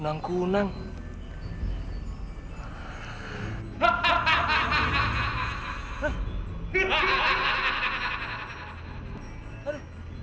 tenang aku menang vainar